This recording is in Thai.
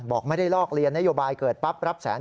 บอกไม่ได้ลอกเรียนนโยบายเกิดปั๊บรับแสน